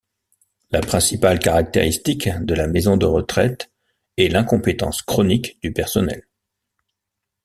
La principale caractéristique de la maison de retraite est l'incompétence chronique du personnel.